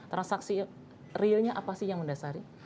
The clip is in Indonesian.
transaksi realnya apa sih yang mendasari